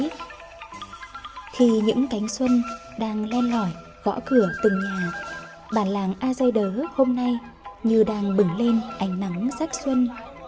thì những cánh xuân đang len lỏi gõ cửa từng nhà bản làng a dơi đỡ hôm nay như đang bừng lên ánh nắng sắc xuân